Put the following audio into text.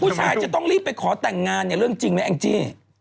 จะต้องรีบไปขอแต่งงานเนี่ยเรื่องจริงไหมแองจี้